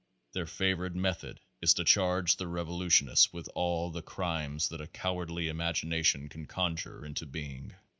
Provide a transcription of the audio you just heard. Their favorite method is to charge the revolutionists with all the crimes that a cowardly imagination can conjure into being.